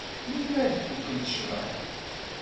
Melmi ad fukkent cḍeḥ?